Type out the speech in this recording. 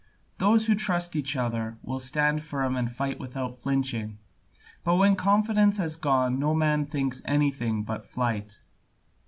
Those who trust each other will stand firm and fight without flinching, but when confidence has gone no man thinks of anything but flight.